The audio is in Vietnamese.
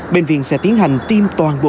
bệnh viện sẽ tiến hành tiêm toàn bộ